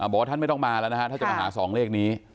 บอกว่าท่านไม่ต้องมาแล้วนะฮะถ้าจะมาหา๒เลขนี้